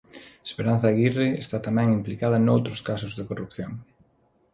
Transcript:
Esperanza Aguirre está tamén implicada noutros casos de corrupción.